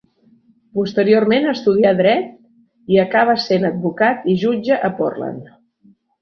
Posteriorment estudià dret i acaba sent advocat i jutge a Portland.